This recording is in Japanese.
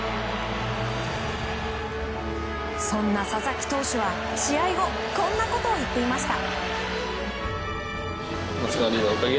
そんな佐々木投手は試合後こんなことを言っていました。